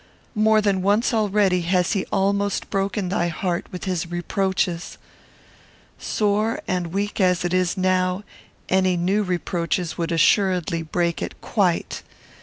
More than once already has he almost broken thy heart with his reproaches. Sore and weak as it now is, any new reproaches would assuredly break it quite.